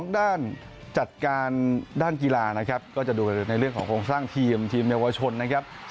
ด้านจัดการด้านกีฬานะครับก็จะดูในเรื่องของโครงสร้างทีมทีมเยาวชนนะครับ